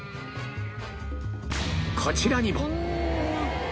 こちらにも